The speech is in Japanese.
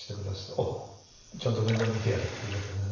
おうちゃんと面倒見てやれっていう事でね。